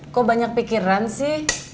kok banyak pikiran sih